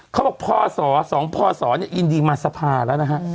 เขาบอกพศสองพศเนี่ยอินดีมาสภาแล้วนะฮะ